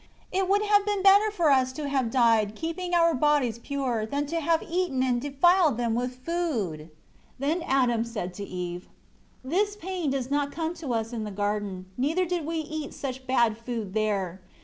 It would have been better for us to have died keeping our bodies pure than to have eaten and defiled them with food." 4 Then Adam said to Eve, "This pain did not come to us in the garden, neither did we eat such bad food there.